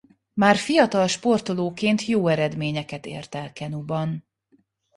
Már fiatal sportolóként jó eredményeket ért el kenuban.